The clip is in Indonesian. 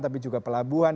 tapi juga pelabuhan